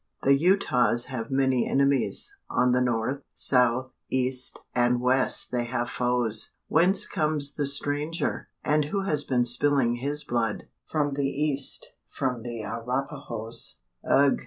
"The Utahs have many enemies on the north, south, east, and west they have foes. Whence comes the stranger? and who has been spilling his blood?" "From the east from the Arapahoes." "Ugh!"